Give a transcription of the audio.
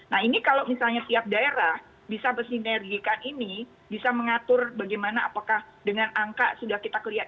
nah ini kalau misalnya tiap daerah bisa bersinergikan ini bisa mengatur bagaimana apakah dengan angka sudah kita kelihatan